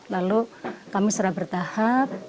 lalu kami serah bertahap